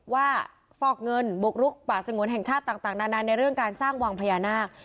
ฟอกเงินบุกรุกป่าสงวนแห่งชาติต่างนานในเรื่องการสร้างวังพญานาค